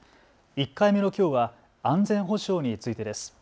１回目のきょうは安全保障についてです。